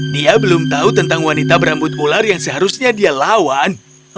dia belum tahu tentang wanita berambut ular yang seharusnya dia lawan